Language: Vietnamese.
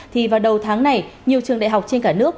thì vào đầu tháng này nhiều trường đại học trên cả nước